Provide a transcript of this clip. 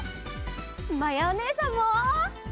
まやおねえさんも。